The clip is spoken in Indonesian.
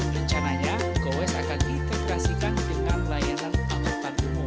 rencananya gowes akan diterapkan dengan layanan amutan umum